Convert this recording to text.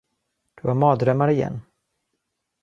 Du har mardrömmar igen.